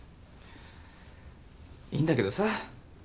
いいんだけどさ。